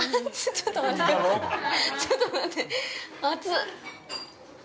ちょっと待って。